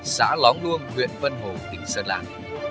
xã lóng luông huyện vân hồ tỉnh sơn lạc